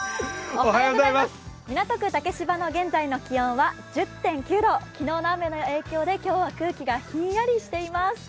港区竹芝の現在の気温は１０．９度、昨日の雨の影響で今日はしっとりしています。